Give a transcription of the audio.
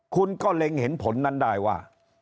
คุณก็เล็งเห็นผลนั้นได้ว่า